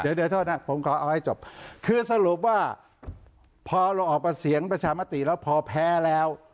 ซะหลุบว่าพอเราออกมาเสียงประชาบนตรีพอแพ้แล้ว